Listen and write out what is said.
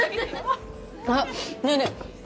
あっねえねえ